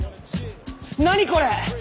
何これ！？